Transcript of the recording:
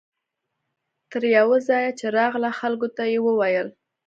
تر یوه ځایه چې راغله خلکو ته یې وویل.